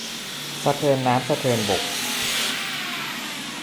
สะเทินน้ำสะเทินบก